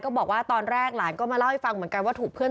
บอกว่าตอนแรกหลานก็มาเล่าให้ฟังเหมือนกันว่าถูกเพื่อน